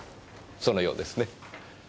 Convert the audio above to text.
そのようですね。